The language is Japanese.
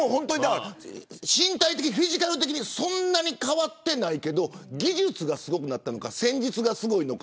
身体的、フィジカル的にそんなに変わってないけど技術がすごくなったのか戦術がすごいのか。